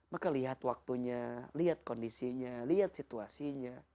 maka lihat waktunya lihat kondisinya lihat situasinya